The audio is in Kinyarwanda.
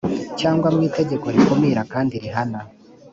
cyangwa mu itegeko rikumira kandi rihana